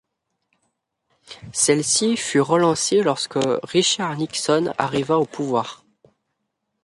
Celle-ci fut relancée lorsque Richard Nixon arriva au pouvoir.